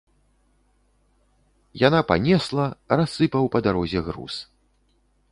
Яна панесла, рассыпаў па дарозе груз.